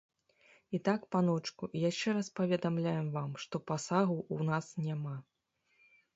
І так, паночку, яшчэ раз паведамляем вам, што пасагу ў нас няма.